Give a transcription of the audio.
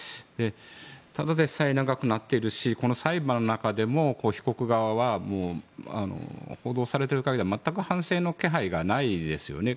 ただでさえ長くなっているし裁判の中でも被告側は報道されている限りでは全く反省の気配がないですよね。